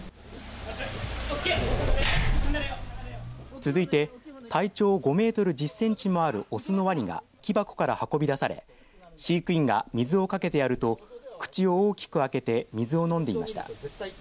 続いて体長５メートル１０センチもある雄のワニが木箱から運び出され飼育員が水をかけてやると口を大きく開けて水を飲んでいました。